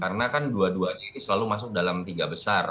karena dua duanya ini selalu masuk dalam tiga besar